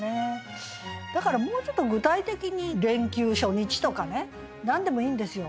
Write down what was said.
だからもうちょっと具体的に「連休初日」とかね何でもいいんですよ。